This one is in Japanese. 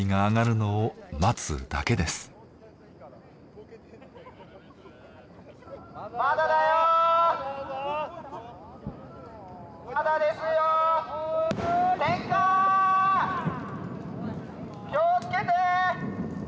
気をつけて！